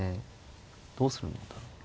どうするんだろう。